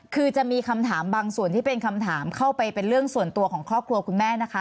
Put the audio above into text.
คือจะมีคำถามบางส่วนที่เป็นคำถามเข้าไปเป็นเรื่องส่วนตัวของครอบครัวคุณแม่นะคะ